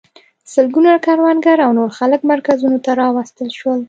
سلګونه کروندګر او نور خلک مرکزونو ته راوستل شول.